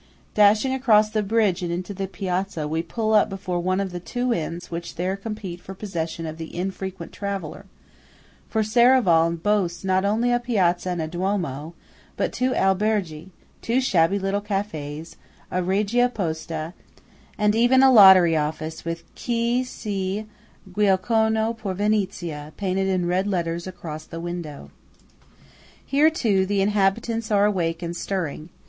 Dashing across the bridge and into the Piazza, we pull up before one of the two inns which there compete for possession of the infrequent traveller; for Serravalle boasts not only a Piazza and a Duomo, but two Alberghi, two shabby little cafés, a Regia Posta, and even a lottery office with "Qui si giuocono per Venezia" painted in red letters across the window. Here, too, the inhabitants are awake and stirring.